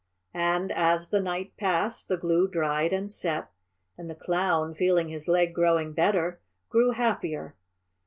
And as the night passed the glue dried and set, and the Clown, feeling his leg growing better, grew happier.